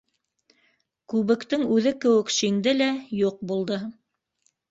Күбектең үҙе кеүек: шиңде лә юҡ булды.